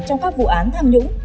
trong các vụ án tham nhũng